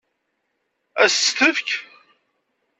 Ad s-tt-tefk?